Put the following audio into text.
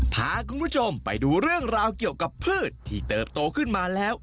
พาคุณผู้ชมไปดูเรื่องราวเกี่ยวกับพืชที่เติบโตขึ้นมาแล้ว